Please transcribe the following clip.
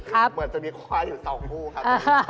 เหมือนจะมีควายอยู่๒คู่ครับ